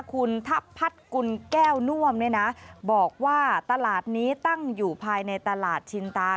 คุณทัพพัฒน์กุลแก้วน่วมเนี่ยนะบอกว่าตลาดนี้ตั้งอยู่ภายในตลาดชินตา